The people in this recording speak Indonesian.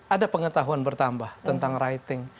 ada pengetahuan bertambah tentang righting